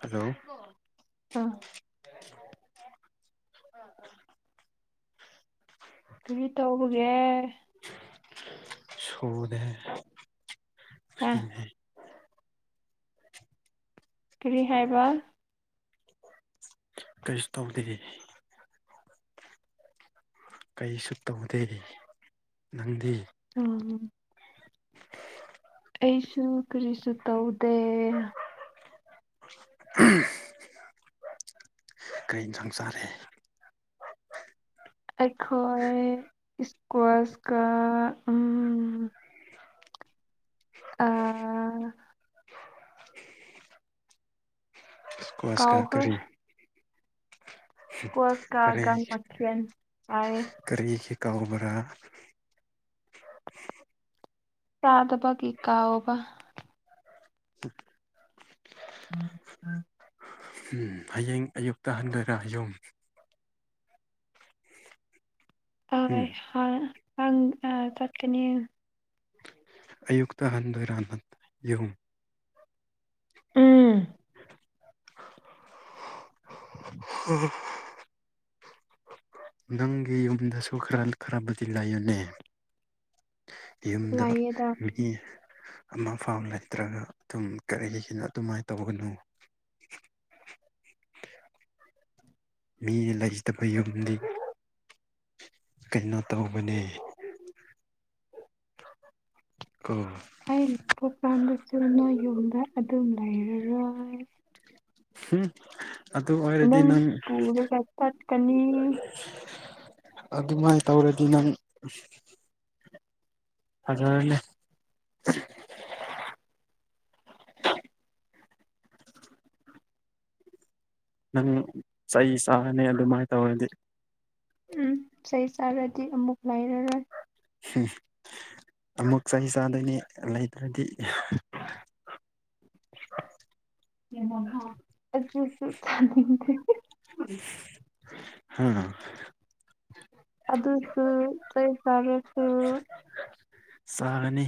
hello ꯑ ꯀꯔꯤ ꯇꯧꯕꯒꯦ ꯁꯨꯗꯦ ꯑ ꯐꯅꯦ ꯀꯔꯤ ꯍꯥꯏꯕ ꯀꯔꯤꯁꯨ ꯇꯧꯗꯦ ꯀꯩꯁꯨ ꯇꯧꯗꯦ ꯅꯪꯗꯤ ꯎꯝ ꯑꯩꯁꯨ ꯀꯔꯤꯁꯨ ꯇꯧꯗꯦ ꯎ ꯀꯔꯤ ꯌꯦꯟꯁꯥꯡ ꯆꯥꯔꯦ ꯑꯩꯈꯣꯏ ꯏꯁꯀ꯭ꯋꯥꯁꯀ ꯎ ꯑꯥ ꯀ꯭ꯋꯥꯁ ꯀꯌꯥ ꯀꯥꯎꯈ꯭ꯔꯦ ꯀꯔꯤ ꯀꯣꯁ ꯀꯔꯤ ꯀꯥꯒꯟ ꯃꯟ ꯍꯥꯏ ꯀꯥꯎꯕꯔꯥ ꯌꯥꯗꯕ ꯀꯀꯥ ꯑꯣꯕ ꯎꯝ ꯎꯝ ꯍꯌꯦꯡ ꯑꯌꯨꯛꯇ ꯍꯟꯕꯔꯥ ꯌꯨꯝ ꯎꯝ ꯑꯣꯏꯪ ꯑ ꯆꯠꯇꯅꯤ ꯑꯌꯨꯛꯇ ꯍꯟꯗꯨ ꯔꯥꯟꯍꯠ ꯌꯦꯍꯨꯝ ꯎꯝ ꯎꯝ ꯅꯪꯒꯤ ꯌꯨꯝꯗꯁꯨ ꯈꯔ ꯈꯔꯕꯨꯗꯤ ꯂꯩꯥꯏꯌꯨꯅꯦ ꯌꯨꯝꯗ ꯂꯩꯌꯦꯗ ꯃꯤ ꯑꯃ ꯐꯥꯎ ꯂꯩꯇ꯭ꯔꯒ ꯑꯗꯨꯝ ꯀꯔꯤꯒꯤꯒꯤꯅꯣ ꯑꯗꯨꯃꯥꯏꯅ ꯇꯧꯒꯅꯨ ꯃꯤꯅ ꯂꯩꯇꯕ ꯌꯨꯝꯗꯤ ꯀꯩꯅꯣ ꯇꯧꯕꯅꯤ ꯀꯣ ꯑꯩ ꯄꯣꯛꯀꯗ ꯆꯨꯅ ꯌꯨꯝꯗ ꯑꯗꯨꯝ ꯂꯩꯔꯔꯣꯏ ꯎꯝ ꯅꯪ ꯄꯨꯔ ꯆ ꯀꯅꯤ ꯑꯗꯨꯃꯥꯏꯅ ꯇꯧꯔꯗꯤ ꯅꯪ ꯑꯗꯂꯦ ꯅꯪ ꯆꯩ ꯆꯥꯅꯤ ꯑꯗꯨꯃꯥꯏꯅ ꯇꯧꯔꯗꯤ ꯎꯝ ꯏꯁꯩ ꯆꯥꯔꯗꯤ ꯑꯃꯨꯛ ꯂꯩꯔꯔꯣꯏ ꯎꯝ ꯑꯃꯨꯛ ꯆꯍꯤ ꯆꯥꯗꯣꯏꯅꯤ ꯂꯩꯇ꯭ꯔꯗꯤ ꯑꯗꯨꯖꯨ ꯆꯅꯤꯡꯗꯦ ꯑꯥ ꯑꯗꯨꯁꯨ ꯆꯩ ꯆꯔꯥꯁꯨ ꯆꯥꯒꯅꯤ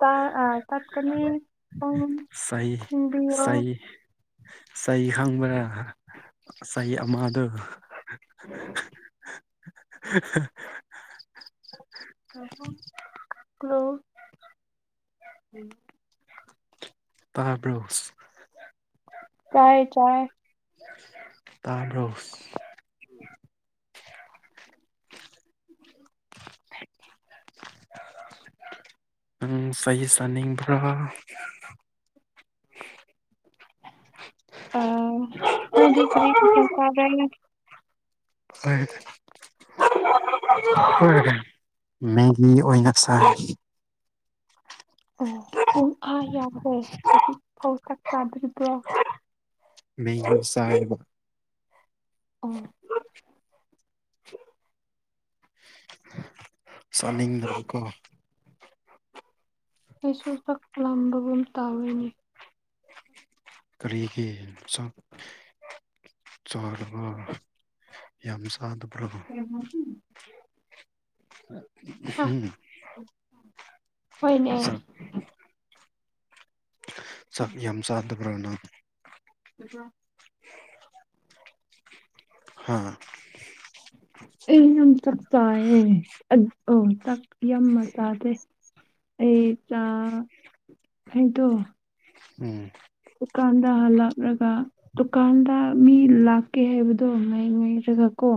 ꯇ ꯑ ꯇꯥꯛꯀꯅꯤ ꯆꯩ ꯊꯤꯟꯗꯤꯑꯣ ꯆꯩ ꯆꯩ ꯈꯪꯕ꯭ꯔꯥ ꯆꯩ ꯑꯃꯗꯨ [unintelligible] ꯍꯜꯂꯣ ꯎꯝ ꯇꯥꯕ꯭ꯔꯣꯁ ꯇꯥꯏꯌꯦ ꯇꯥꯏꯌꯦ ꯇꯥꯁ [unintelligible] ꯎꯪ ꯆꯩ ꯆꯅꯤꯡꯕ꯭ꯔꯥ ꯑꯧ ꯃꯣꯏꯗꯤ ꯀꯔꯤ [unintelligible] [unintelligible] ꯍꯣꯏ ꯃꯦꯒꯤ ꯅꯣꯏꯅ ꯆꯥꯔꯦ ꯑꯣ ꯄꯨꯡ ꯑꯥ ꯌꯥꯎꯈꯦ ꯍꯧꯖꯤꯛ ꯐꯥꯎ ꯆꯥꯛ ꯆꯥꯗ꯭ꯔꯤꯕ꯭ꯔꯣ ꯃꯦꯒꯤ ꯆꯥꯏꯕ ꯑꯣ [unintelligible] ꯆꯅꯤꯡꯗꯔꯀꯣ ꯑꯩꯁ ꯆꯥꯛ ꯂꯥꯝꯕꯒꯨꯝ ꯇꯧꯋꯦꯅꯦ ꯀꯔꯤꯒꯤ ꯆꯥꯛ ꯆꯥꯗꯕ ꯌꯥꯝ ꯎꯝ ꯎꯝ ꯍꯣꯏꯅꯦ ꯆꯥꯛ ꯌꯥꯝ ꯆꯥꯗꯕ꯭ꯔ ꯅꯪ ꯍꯥꯥ ꯑꯩ ꯌꯥꯝ ꯆꯥꯏꯌꯦ ꯑꯧ ꯆꯥꯛ ꯌꯥꯝ ꯆꯥꯗꯦ ꯑꯩ ꯆꯥꯛ ꯑꯗꯣ ꯎꯝ ꯗꯨꯀꯥꯟꯗ ꯍꯥꯜꯂꯛꯂꯒ ꯗꯨꯀꯥꯟꯗ ꯃꯤ ꯂꯥꯛꯀꯦ ꯍꯥꯏꯕꯗꯣ ꯉꯥꯏꯔꯒ ꯀꯣ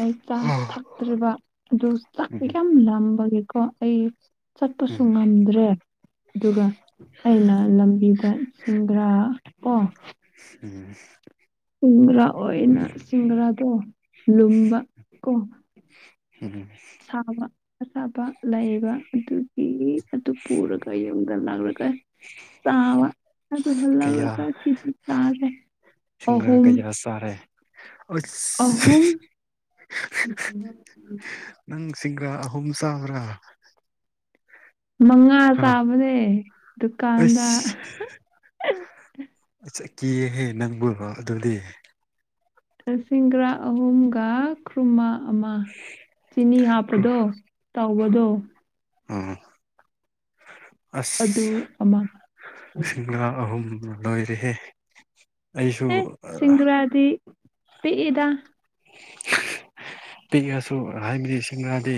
ꯑꯩ ꯆꯥ ꯎꯝ ꯊꯛꯇ꯭ꯔꯤꯕ ꯑꯗꯨ ꯆꯥꯛꯄ ꯌꯥꯝ ꯂꯝꯕꯒꯤꯀꯣ ꯑꯩ ꯎꯝ ꯆꯠꯄꯁꯨ ꯉꯝꯗ꯭ꯔꯦ ꯑꯗꯨꯒ ꯑꯩꯅ ꯂꯝꯕꯤꯗ ꯑ ꯑꯣ ꯎꯝ ꯁꯤꯡꯒꯔꯥ ꯑꯣꯏꯅ ꯁꯤꯡꯒꯔꯥꯗꯣ ꯂꯨꯝꯕ ꯀꯣ ꯎꯝ ꯁꯥꯕ ꯑꯁꯥꯕ ꯂꯩꯕ ꯑꯗꯨꯒꯤ ꯑꯗꯨ ꯄꯨꯔꯒ ꯌꯨꯝꯗ ꯂꯥꯛꯂꯒ ꯇꯥꯕ ꯑꯗꯨ ꯍꯜꯂꯛꯂꯀ ꯁꯤꯗꯤ ꯇꯥꯔꯦ ꯁꯤꯁꯤꯡꯔ ꯀꯩꯀꯥ ꯆꯥꯔꯦ ꯑꯍꯨꯝ [unintelligible] ꯁꯤꯁꯤꯡꯒ꯭ꯔ ꯑꯍꯨꯝ ꯁ꯭ꯔ ꯃꯉꯥ ꯆꯥꯕꯅꯦ ꯗꯨꯀꯥꯟꯗ ꯀꯤꯌꯦꯦꯍꯦ ꯅꯪꯕꯨ ꯑꯗꯨꯗꯤ ꯁꯤꯡꯒ꯭ꯔ ꯑꯍꯨꯝꯒ ꯈꯨꯔꯃꯥ ꯑꯃ ꯆꯤꯅꯤ ꯍꯥꯞꯄꯗꯣ ꯇꯧꯕꯗꯣ ꯎꯝ ꯑꯗꯨ ꯑꯁ ꯑꯃ ꯁꯤꯡꯥ ꯑꯍꯨꯝ ꯂꯣꯏꯔꯍꯦ ꯑꯩꯁꯨ ꯄꯤꯗ ꯄꯤꯛꯑꯁꯨ ꯍꯥꯏꯕꯗꯤꯁꯤꯡꯅꯗꯤ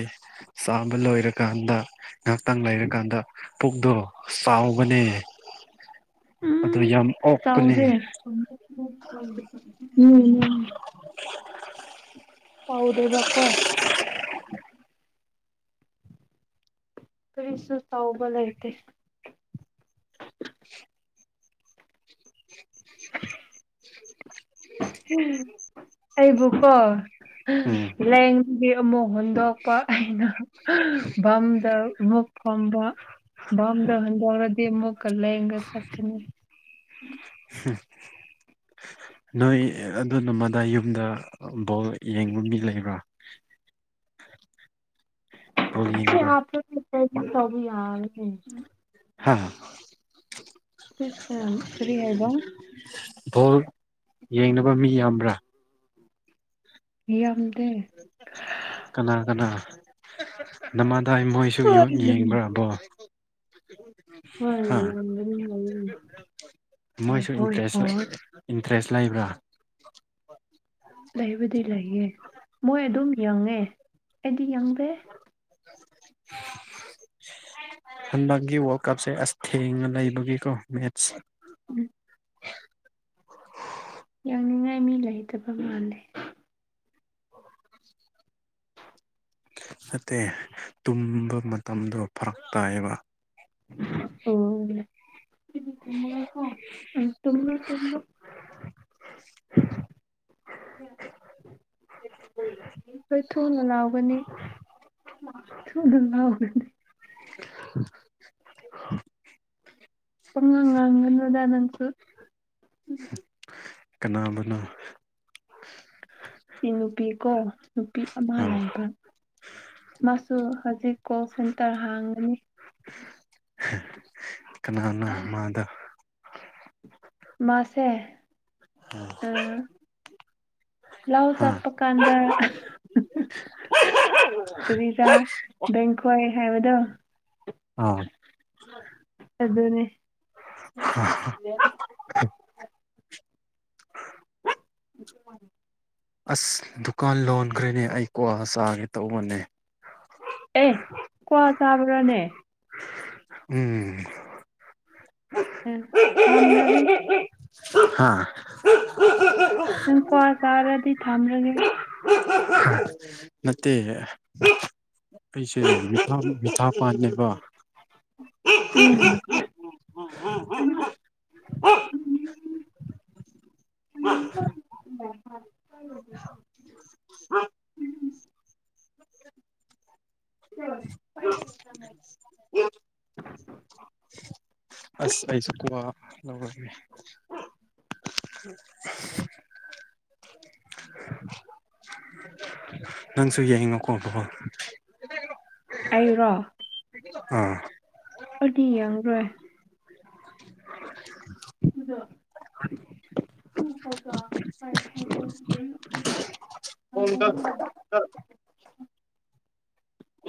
ꯆꯥꯕ ꯂꯣꯏꯔꯀꯥꯟꯗ ꯉꯥꯏꯍꯥꯛꯇꯪ ꯂꯩꯔꯀꯥꯟꯗ ꯄꯨꯛꯗꯣ ꯆꯥꯎꯕꯅꯦ ꯑꯗꯨ ꯌꯥꯝ ꯑꯣꯛꯄꯅꯦ ꯆꯥꯎꯗꯦ ꯎꯝ ꯎꯝ [inaudible] ꯐꯥꯎꯗꯦꯕꯥ ꯀꯣ ꯇꯔꯤ ꯁꯁ ꯎꯕ ꯂꯥꯏꯇꯦ [inaudible] ꯑꯩꯕꯨꯀꯣ ꯎꯝ ꯂꯦꯡꯒꯤ ꯑꯃꯨꯛ ꯍꯨꯟꯗꯣꯛꯄꯥ ꯑꯩꯅ ꯕꯝꯗꯥ ꯑꯃꯨꯛ ꯐꯝꯕ ꯝꯗ ꯍꯟꯖꯔꯗꯤꯃꯣ ꯀꯜꯂ ꯍꯒ ꯆꯀꯅꯤ ꯎ ꯅꯣꯏ ꯑꯗꯨ ꯅꯃꯗꯥ ꯌꯨꯝꯗ ꯕꯣꯜ ꯌꯦꯡꯕ ꯃꯤ ꯂꯩꯕ꯭ꯔꯥ ꯄꯣꯂꯤ ꯌꯦꯡꯕ ꯇ ꯌꯥꯔꯦ ꯍꯥ ꯀꯔꯤ ꯍꯥꯏꯕ ꯕꯣꯜ ꯌꯥꯝꯗꯦ ꯍꯣꯏ ꯀꯅꯥ ꯍꯥ ꯌꯥꯝꯒꯅꯤ ꯍꯥꯏꯌꯦ ꯍꯣꯏ ꯃꯣꯏꯁꯨ ꯍꯣꯏ ꯏꯇ꯭ꯔꯦꯁ ꯍꯣꯏ ꯗ꯭ꯔꯦꯁ ꯂꯩꯕ꯭ꯔꯥ ꯂꯩꯕꯨꯗꯤ ꯂꯩꯌꯦ ꯃꯣꯏ ꯑꯗꯨꯝ ꯌꯦꯡꯉꯦ ꯑꯩꯗꯤ ꯌꯥꯡꯗꯦ [inaudible] ꯍꯟꯗꯛꯀꯤ ꯋꯥꯔꯜ ꯀꯞꯁꯦ ꯑꯁ ꯊꯦꯡꯅ ꯂꯩꯕꯒꯤꯀꯣ ꯃꯦꯠꯁ ꯎꯝ ꯌꯥꯡꯅꯤꯡꯉꯥꯏ ꯃꯤ ꯂꯩꯇꯕ ꯃꯥꯜꯂꯦ ꯅꯠꯇꯦ ꯇꯨꯝꯕ ꯃꯇꯝꯗꯣ ꯐꯔꯛ ꯇꯥꯏꯌꯦꯕ ꯑꯣ ꯇꯦ ꯀꯣ ꯇꯣ [inaudible] ꯍꯈꯣꯏ ꯊꯨꯅ ꯂꯥꯎꯒꯅꯤ ꯃꯥ ꯊꯅ ꯂꯒꯅꯤ [inaudible] ꯄꯉ ꯉꯥꯡꯗꯥꯅꯁꯨ ꯀꯅꯥꯕꯨꯅ ꯏ ꯅꯨꯄꯤꯀꯣ ꯅꯨꯄꯤ ꯑꯃ ꯑꯥ ꯂꯩꯕ ꯃꯥꯁꯨ ꯍꯧꯖꯤꯛ ꯀꯣꯜ ꯁꯦꯟꯇꯔ ꯍꯥꯡꯒꯅꯤ ꯀꯅꯥꯅꯣ ꯃꯥꯗ ꯃꯥꯁꯦ ꯑ ꯂꯎ ꯍꯥ ꯆꯠꯄ ꯀꯥꯟꯗ꯭ꯔ ꯀꯔꯤꯗꯥꯥ ꯕꯦꯡꯀꯣꯋꯥꯏ ꯍꯥꯏꯕꯗꯣ ꯑꯥ ꯑꯗꯨ ꯑꯗꯨꯅꯦ ꯑꯥ ꯎ ꯗꯨꯀꯥꯟ ꯂꯣꯟꯈ꯭ꯔꯦꯅꯦ ꯑꯩ ꯀ꯭ꯋꯥ ꯆꯥꯒꯦ ꯇꯧꯕꯅꯦ ꯑꯦ ꯀꯋꯥ ꯆꯥꯕ꯭ꯔꯥꯅꯦ ꯎꯝ ꯑꯔ ꯍꯥ ꯅꯪ ꯀ꯭ꯋꯥ ꯆꯥꯔꯗꯤ ꯊꯝꯂꯒꯦ ꯅꯠꯇꯦ ꯑꯩꯁꯦ ꯃꯤꯥ ꯃꯤꯊꯥ ꯄꯥꯟꯅꯦꯕ ꯎꯝ ꯑ ꯎꯝ ꯑ ꯎ ꯑꯁ ꯑꯩꯁꯨ ꯀꯋꯥ ꯂꯧꯔꯒꯦ ꯅꯪꯁꯨ ꯌꯦꯡꯅꯤꯡꯉꯣꯀꯣ ꯕꯥꯜ ꯑꯩꯔꯣ ꯑꯥ ꯑꯗꯨꯗꯤ ꯌꯦꯡꯔꯣꯏ ꯑꯗ ꯍ ꯍꯒ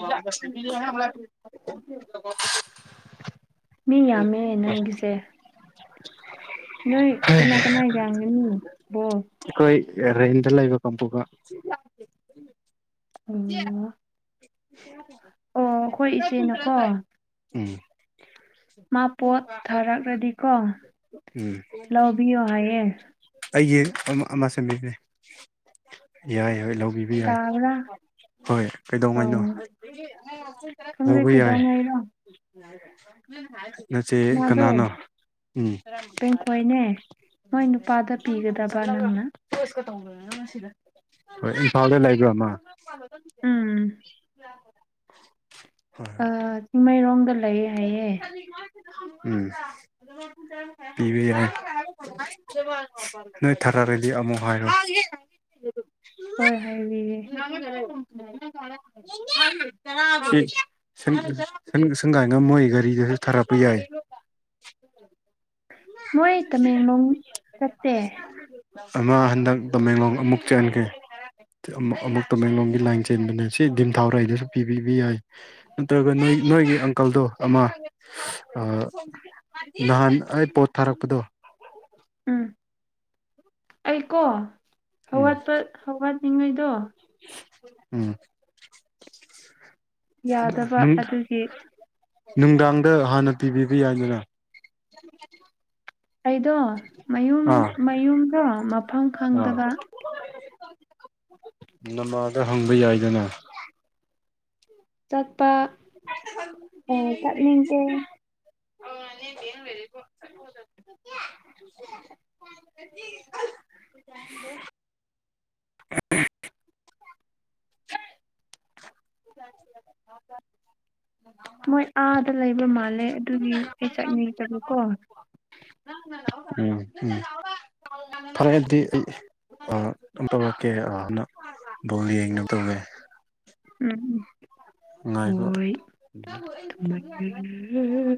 [inaudible] ꯃꯤ ꯌꯥꯝꯃꯦ ꯅꯪꯒꯤꯁꯦ ꯅ ꯀꯅꯥ ꯀꯅꯥ ꯀꯒꯅꯤ ꯣꯁ ꯑꯩꯈꯣꯏ ꯔꯦꯟꯗ ꯂꯩꯕ ꯀꯥꯡꯝꯕꯨꯒ ꯑꯣꯝ ꯑꯣ ꯑꯩꯈꯣꯏ ꯏꯆꯦꯅꯀꯣ ꯎꯝ ꯃꯥ ꯄꯣꯠ ꯊꯥꯔꯛꯂꯗꯤꯀꯣ ꯎꯝ ꯕꯤ ꯋꯥ ꯍꯥꯏꯌꯦ ꯑꯩꯒꯤ ꯑꯃ ꯁꯦꯝꯕꯤꯕꯅꯦ ꯌꯥꯣꯏ ꯌꯥ ꯂꯧ ꯌꯥ ꯇꯥꯕ꯭ꯔꯥ ꯍꯣꯏ ꯑꯣ ꯀꯩꯗꯧꯉꯩꯅꯣ ꯈꯪꯗꯦ ꯍꯕꯨ ꯌꯥꯏ ꯀꯩꯗꯧꯉꯩꯔꯣ ꯅꯆꯦ ꯃꯥꯗꯣ ꯀꯅꯥꯅꯣ ꯎꯝ ꯇꯦꯡꯈꯣꯏꯅꯦ ꯃꯣꯏ ꯅꯨꯄꯥꯗ ꯄꯤꯒꯗꯕ ꯅꯪꯅ ꯍꯣꯏ ꯏꯝꯐꯥꯎꯗ ꯂꯩꯥꯛꯕ꯭ꯔ ꯑꯃ ꯎꯝ ꯍꯣꯏ ꯆꯤꯡꯃꯩꯔꯣꯡꯗ ꯂꯩ ꯍꯥꯏꯌꯦ ꯕ ꯌꯥ ꯅꯣꯏ ꯊꯔꯥꯔꯦꯗꯤ ꯑꯃꯣ ꯍꯥꯏꯔꯣ ꯍꯣꯏ ꯍꯥꯏꯕꯤꯌꯦ ꯁꯪꯒꯥꯏ ꯉꯝ ꯃꯣꯏ ꯒꯥꯔꯤꯗꯁꯨ ꯊꯥꯔꯛꯄ ꯌꯥꯏ [inaudible] ꯃꯣꯏ ꯇꯃꯦꯡꯂꯣꯡ ꯆꯠꯇꯦ ꯑꯃ ꯍꯟꯗꯛ ꯇꯃꯦꯡꯂꯣꯡ ꯑꯃꯨꯛ ꯆꯦꯟꯈꯤ ꯑꯃꯨꯛ ꯇꯃꯦꯡꯂꯣꯡꯒꯤ ꯂꯥꯏꯟ ꯆꯦꯟꯕꯅꯦ ꯁꯤ ꯗꯤꯝꯊꯥꯎꯔꯥꯏꯗꯁꯨ ꯄꯤꯕꯤꯕ ꯌꯥꯏ ꯅꯠꯇ꯭ꯔꯒ ꯅꯣꯏ ꯅꯣꯏꯒꯤ ꯑꯪꯀꯜꯗꯣ ꯑꯃ ꯅꯍꯥꯟ ꯑꯩ ꯄꯣꯠ ꯊꯥꯔꯛ ꯗꯣ ꯎꯝ ꯎꯝ ꯑꯩꯀꯣꯋꯥꯠꯄ ꯍꯧꯋꯥꯠꯂꯤꯉꯩꯗꯣ ꯎꯝ ꯌꯥꯗꯕ ꯑꯗꯨꯒꯤ ꯅꯨꯡꯗꯥꯡꯗ ꯍꯥꯟꯅ ꯄꯤꯕꯤꯕ ꯌꯥꯏꯗꯅ ꯑꯩꯗꯣ ꯃꯌꯨꯝ ꯑꯥ ꯃꯌꯨꯝꯗꯣ ꯃꯐꯝ ꯑꯥ ꯈꯪꯗꯕ ꯅꯃꯥꯗ ꯍꯪꯕ ꯌꯥꯏꯗꯅ ꯆꯠꯄ ꯑꯥ ꯆꯠꯅꯤꯡꯇ‌ꯦ ꯑꯥ ꯅ‌ꯦ ꯕ‌ꯦꯡ ꯂꯩꯔꯤꯕꯨ ꯆ‍ꯦꯆ‍ꯦ ꯃꯣꯏ ꯑꯥꯗ ꯂꯩꯕ ꯃꯥꯜꯂꯦ ꯑꯗꯨꯒꯤ ꯑꯩ ꯆꯠꯅꯤꯡ ꯇꯥꯕꯀꯣ ꯎꯝ ꯎꯝ ꯐꯔꯦ ꯑꯗꯨꯗꯤ ꯑꯩ ꯑꯥ ꯑꯃꯨꯛ ꯇꯧꯔꯛꯀꯦꯑꯥꯅ ꯕꯣꯜ ꯌꯦꯡꯅꯕ ꯇꯧꯒꯦ ꯎꯝ ꯎꯝ ꯅꯨꯡꯉꯥꯏꯕ ꯍꯣꯏ ꯊꯝꯃꯒꯦ